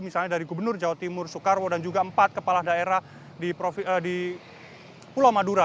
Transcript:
misalnya dari gubernur jawa timur soekarwo dan juga empat kepala daerah di pulau madura